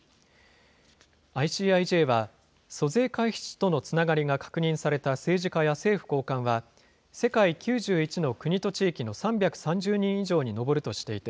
ＩＣＩＪは租税回避地とのつながりが確認された政治家や政府高官は、世界９１の国と地域の３３０人以上に上るとしていて、